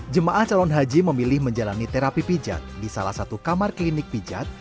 jemaah calon haji memilih menjalani terapi pijat di salah satu kamar klinik pijat